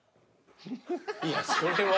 いやそれは。